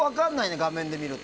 画面で見ると。